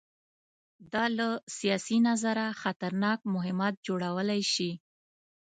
دا له سیاسي نظره خطرناک مهمات جوړولی شي.